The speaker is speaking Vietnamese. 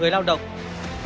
vì việc làm tiền lương an sinh